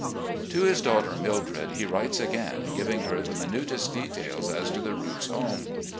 To his daughter Mildred he writes again, giving her the minutest details as to the routes home.